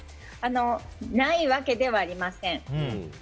ないわけではありません。